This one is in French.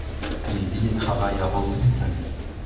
Il vit et travaille à Rome, Italie.